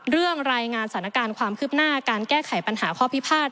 รายงานสถานการณ์ความคืบหน้าการแก้ไขปัญหาข้อพิพาท